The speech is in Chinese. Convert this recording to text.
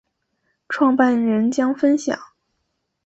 创办人将分享